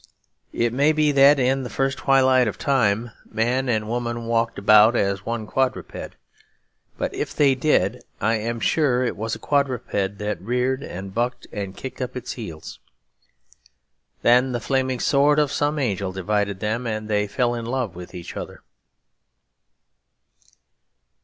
It may be that in the first twilight of time man and woman walked about as one quadruped. But if they did, I am sure it was a quadruped that reared and bucked and kicked up its heels. Then the flaming sword of some angel divided them, and they fell in love with each other.